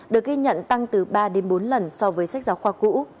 được ghi nhận tăng từ ba đến bốn lần so với sách giáo khoa cũ